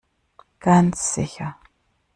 Ganz sicher.